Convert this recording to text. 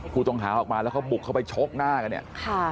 ครูตรงหาออกมาแล้วเขาบุกเขาไปโชคหน้ากันเนี้ยค่ะ